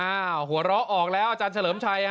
หัวเราะออกแล้วอาจารย์เฉลิมชัย